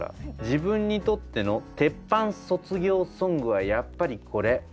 「自分にとっての鉄板卒業ソングはやっぱりこれ。